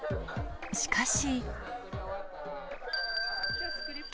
しかし。